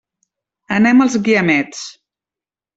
Anem als Guiamets.